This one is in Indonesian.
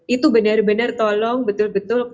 itu benar benar tolong betul betul